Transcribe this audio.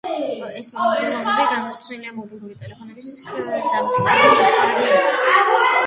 ეს მოწყობილობები განკუთვნილია მობილური ტელეფონების დამწყები მომხმარებლებისთვის.